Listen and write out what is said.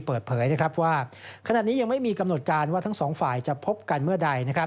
เปิดเผยว่าขณะนี้ยังไม่มีกำหนดการว่าทั้งสองฝ่ายจะพบกันเมื่อใด